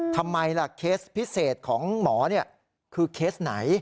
ทำไมล่ะเคสพิเศษของหมอคือเคสไหน